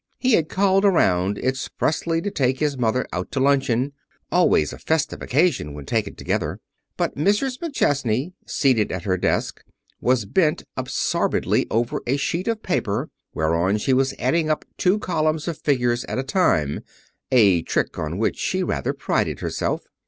He had called around expressly to take his mother out to luncheon always a festive occasion when taken together. But Mrs. McChesney, seated at her desk, was bent absorbedly over a sheet of paper whereon she was adding up two columns of figures at a time a trick on which she rather prided herself.